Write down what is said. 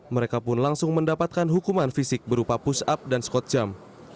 mereka pun langsung mendapatkan hukuman fisik berupa push up dan skot jam